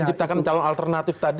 menciptakan calon alternatif tadi